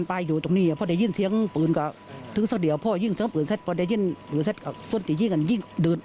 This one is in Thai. พอได้ยิงปืนเสร็จก็ส่วนที่ยิงก็ยิงดื่น